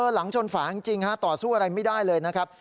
หลังชนฝาจริงต่อสู้อะไรไม่ได้เลยนะครับ